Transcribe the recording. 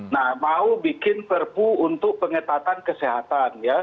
nah mau bikin perpu untuk pengetatan kesehatan ya